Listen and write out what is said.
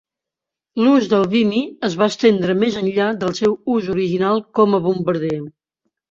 L'ús del Vimy es va estendre més enllà del seu ús original com a bombarder.